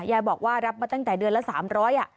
ยายบอกว่ารับมาตั้งแต่เดือนละ๓๐๐บาท